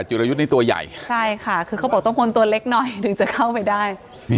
จุรยุทธ์นี่ตัวใหญ่ใช่ค่ะคือเขาบอกต้องคนตัวเล็กหน่อยถึงจะเข้าไปได้